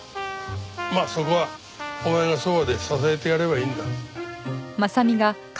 まあそこはお前がそばで支えてやればいいんだ。